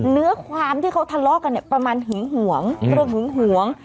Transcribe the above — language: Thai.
เนื้อความที่เขาทะเลาะกันเนี่ยประมาณหึงหวงเรื่องหึงหวง